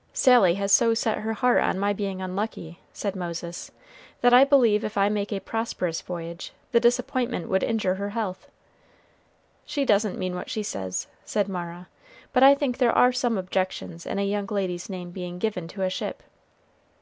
'" "Sally has so set her heart on my being unlucky," said Moses, "that I believe if I make a prosperous voyage, the disappointment would injure her health." "She doesn't mean what she says," said Mara; "but I think there are some objections in a young lady's name being given to a ship."